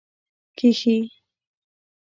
کښې